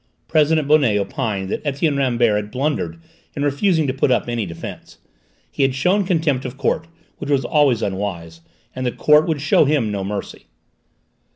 President Bonnet opined that Etienne Rambert had blundered in refusing to put up any defence: he had shown contempt of court, which was always unwise, and the court would show him no mercy.